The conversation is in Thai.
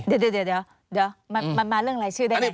เดี๋ยวมันมาเรื่องอะไรชื่อได้ไหม